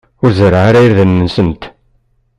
Ur zerreɛ ara irden-nsent.